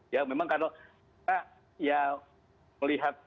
ya memang karena kita ya melihat